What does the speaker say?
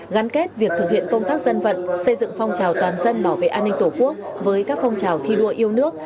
gắn kết việc thực hiện công tác dân vận xây dựng phong trào toàn dân bảo vệ an ninh tổ quốc với các phong trào thi đua yêu nước